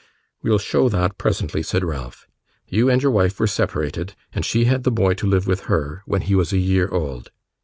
'We'll show that presently,' said Ralph. 'You and your wife were separated, and she had the boy to live with her, when he was a year old.